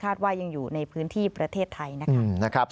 ว่ายังอยู่ในพื้นที่ประเทศไทยนะคะ